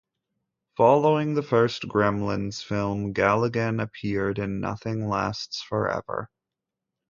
Following the first "Gremlins" film, Galligan appeared in "Nothing Lasts Forever".